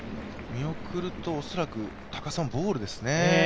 見送ると恐らく高さもボールですね。